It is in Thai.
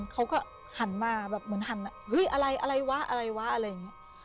เขาก็หันมาแบบเหมือนหันเฮ้ยอะไรอะไรวะอะไรวะอะไรอย่างนี้